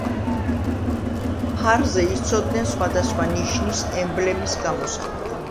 ფარზე იცოდნენ სხვადასხვა ნიშნის, ემბლემის გამოსახვა.